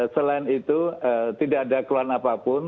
selain itu tidak ada keluhan apapun